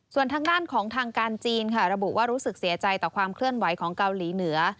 ส่วนทางด้านของทางการจีนค่ะระบุว่ารู้สึกเสียใจต่อความเคลื่อนไหวของเกาหลีเหนือ